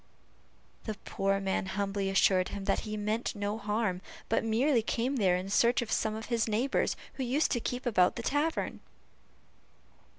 The poor man humbly assured him that he meant no harm, but merely came there in search of some of his neighbors, who used to keep about the tavern.